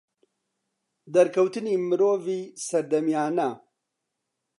دەرکەوتنی مرۆڤی سەردەمیانە